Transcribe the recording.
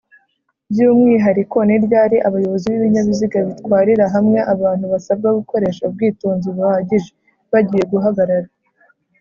by’umwihariko Niryari abayobozi b’ibinyabiziga bitwarira hamwe abantu basabwa gukoresha ubwitonzi buhagije? bagiye guhagarara